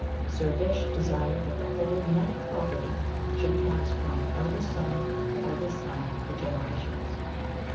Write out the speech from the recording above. Sir Bysshe desired that the whole united property should pass from eldest son to eldest son for generations.